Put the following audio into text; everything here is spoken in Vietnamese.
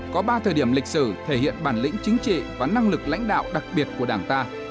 có ba thời điểm lịch sử thể hiện bản lĩnh chính trị và năng lực lãnh đạo đặc biệt của đảng ta